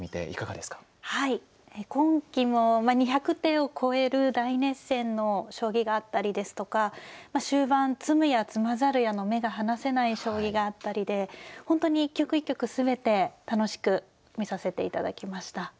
はい今期も２００手を超える大熱戦の将棋があったりですとか終盤詰むや詰まざるやの目が離せない将棋があったりで本当に一局一局全て楽しく見させて頂きました。